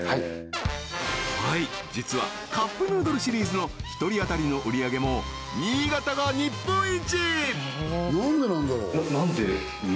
はい実はカップヌードルシリーズの１人あたりの売上げも新潟が日本一！